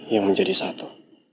yang menjadi satu